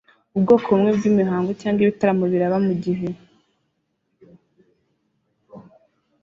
Ubwoko bumwe bwimihango cyangwa ibitaramo biraba mugihe